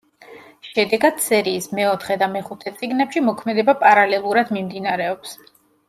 შედეგად, სერიის მეოთხე და მეხუთე წიგნებში მოქმედება პარალელურად მიმდინარეობს.